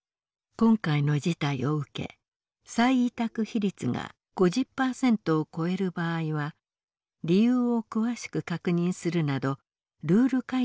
今回の事態を受け再委託費率が５０％を超える場合は理由を詳しく確認するなどルール改正を行ったとしています。